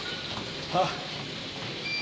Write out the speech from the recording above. ああ。